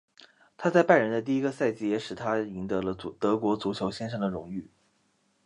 他在拜仁的第一个赛季也使他赢得了德国足球先生的荣誉。